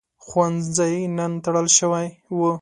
ښوونځی نن تړل شوی و.